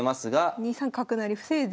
２三角成防いで。